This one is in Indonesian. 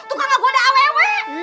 tukang gak gua ada aww